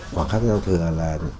khoảng khắc giao thừa là